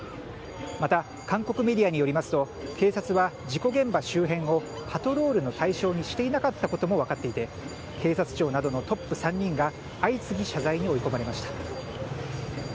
また、韓国メディアによりますと警察は事故現場周辺をパトロールの対象にしていなかったことも分かっていて警察庁などのトップ３人が相次ぎ謝罪に追い込まれました。